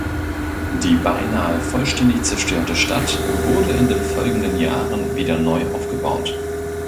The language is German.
Die beinahe vollständig zerstörte Stadt wurde in den folgenden Jahren wieder neu aufgebaut.